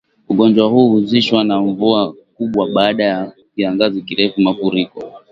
Ugonjwa huu huhusishwa na mvua kubwa baada ya kiangazi kirefu mafuriko